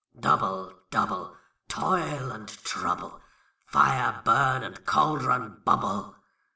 ALL. Double, double, toil and trouble; Fire, burn; and cauldron, bubble.